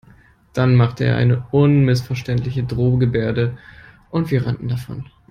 Dann machte er eine unmissverständliche Drohgebärde und wir rannten davon.